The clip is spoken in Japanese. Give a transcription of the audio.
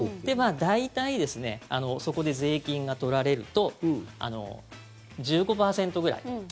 大体、そこで税金が取られると１５％ぐらい。